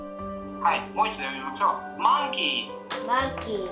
はい。